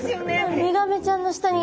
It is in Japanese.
ウミガメちゃんの下に。